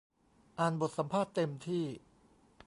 อ่านบทสัมภาษณ์เต็มที่